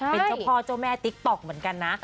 เป็นเจ้าพ่อเจ้าแม่ติ๊กต๊อกเหมือนกันนะ